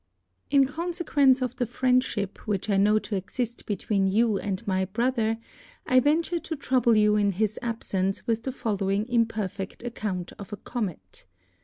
IN confequence of the friendifhip which I know td exift between you and my Brother^ I venture to trouble you in his abfence with the following imperfect account of a comet.